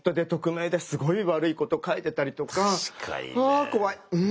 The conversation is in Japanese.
あ怖い！